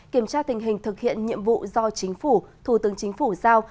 kiểm tra tình hình thực hiện nhiệm vụ do chính phủ thủ tướng chính phủ giao